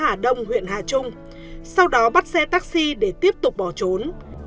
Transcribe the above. hà đông huyện hà trung sau đó bắt xe taxi để tiếp tục bỏ trốn